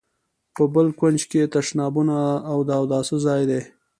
په بل کونج کې یې تشنابونه او د اوداسه ځای دی.